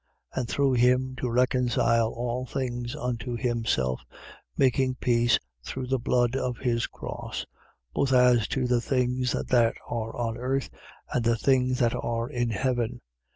And through him to reconcile all things unto himself, making peace through the blood of his cross, both as to the things that are on earth and the things that are in heaven.